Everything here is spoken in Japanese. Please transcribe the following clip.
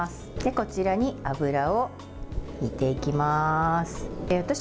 こちらに油をひいていきます。